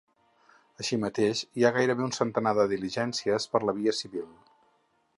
Així mateix, hi ha gairebé un centenar de diligències per la via civil.